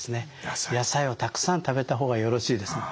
野菜をたくさん食べた方がよろしいですね。